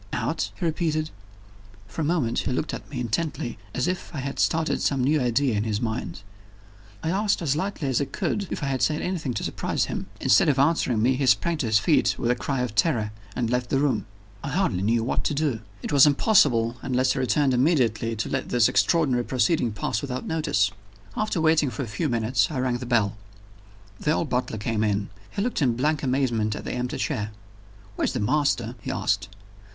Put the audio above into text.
"Out?" he repeated. For a moment he looked at me intently, as if I had started some new idea in his mind. I asked as lightly as I could if I had said anything to surprise him. Instead of answering me, he sprang to his feet with a cry of terror, and left the room. I hardly knew what to do. It was impossible, unless he returned immediately to let this extraordinary proceeding pass without notice. After waiting for a few minutes I rang the bell. The old butler came in. He looked in blank amazement at the empty chair. "Where's the master?" he asked.